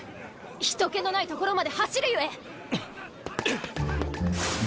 人けのない所まで走るゆえ！